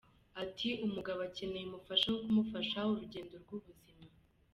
Ati “Umugabo akeneye umufasha wo kumufasha urugendo rw’ubuzima.